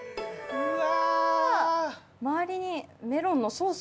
うわ！